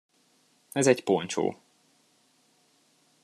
Ez egy ponchó.